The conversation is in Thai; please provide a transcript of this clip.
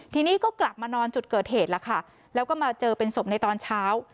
ทีนี้ก็กลับมานอนจุดเกิดเหตุแล้วค่ะแล้วก็มาเจอเป็นศพในตอนเช้า